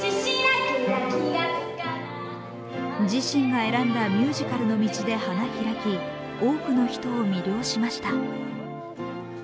自身が選んだミュージカルの道で花開き、多くの人を魅了しました。